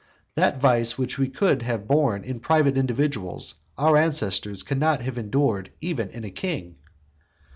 That vice which we have often borne in private individuals, our ancestors could not endure even in a king.